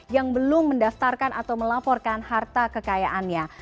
yang belum mendaftarkan atau melaporkan harta kekayaannya